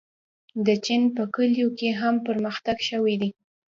د چین په کلیو کې هم پرمختګ شوی دی.